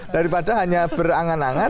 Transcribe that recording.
daripada hanya berangan angan